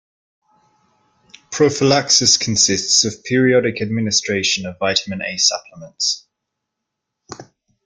Prophylaxis consists of periodic administration of Vitamin A supplements.